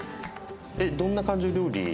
どんな感じの料理？